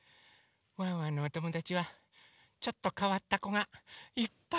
ワンワンのおともだちはちょっとかわったこがいっぱい。